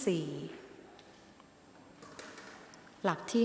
ออกรางวัลเลขหน้า๓ตัวครั้งที่๑ค่ะ